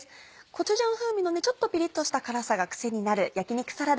コチュジャン風味のちょっとピリっとした辛さが癖になる焼き肉サラダ。